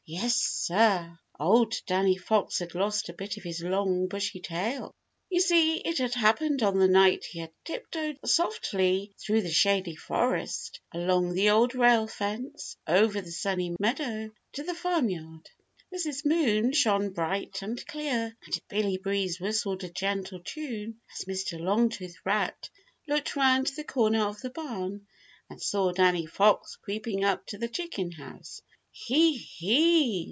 Yes, sir! Old Danny Fox had lost a bit of his long bushy tail. You see, it had happened on the night he had tiptoed softly through the Shady Forest, along the Old Rail Fence, over the Sunny Meadow, to the farmyard. Mrs. Moon shone bright and clear and Billy Breeze whistled a gentle tune as Mr. Longtooth Rat looked around the corner of the barn and saw Danny Fox creeping up to the chicken house. "He, he!"